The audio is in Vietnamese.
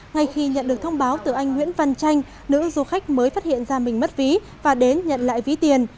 ngay khi nhận được thông báo từ anh nguyễn văn chanh nữ du khách mới phát hiện ra mình mất ví và đến nhận lại ví tiền